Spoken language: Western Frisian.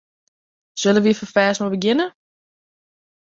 Sille wy ferfêst mar begjinne?